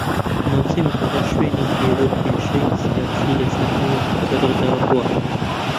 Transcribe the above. ناوچەی مەھاباد شوێنی گێرەوکێشەی سیاسی لە سەردەمی هاوچەرخدا بووە